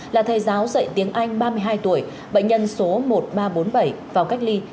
là thầy giáo dạy tiếng anh ba mươi hai tuổi bệnh nhân số một nghìn ba trăm bốn mươi bảy vào cách ly